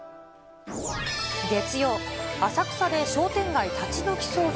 月曜、浅草で商店街立ち退き騒動。